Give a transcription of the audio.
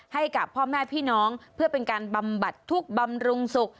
ให้กับพ่อแม่พี่น้องเพื่อเป็นการบำบัดทุกข์บำรุงสุข